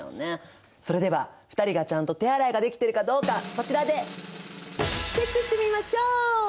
それでは２人がちゃんと手洗いができてるかどうかこちらでチェックしてみましょう！